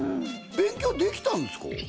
勉強できたんですか？